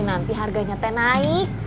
nanti harganya teh naik